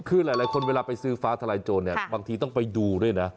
คือหลายคนเวลาไปซื้อฟ้าทลายโจรเนี่ยบางทีต้องไปดูด้วยนะ